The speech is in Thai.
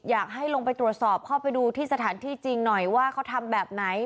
อยากให้ลงไปตรวจสอบเข้าไปดูที่สถานที่จริงหน่อยว่าเขาทำแบบไหน